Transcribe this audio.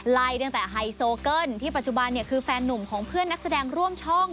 ไล่ตั้งแต่ไฮโซเกิ้ลที่ปัจจุบันคือแฟนนุ่มของเพื่อนนักแสดงร่วมช่อง